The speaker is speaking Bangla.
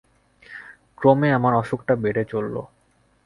ক্রমে আমার অসুখটা বেড়ে চলল।